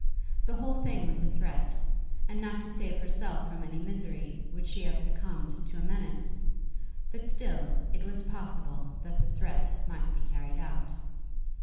The whole thing was a threat, and not to save herself from any misery, would she have succumbed to a menace; but still it was possible that the threat might be carried out.